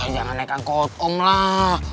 jangan naik angkot om lah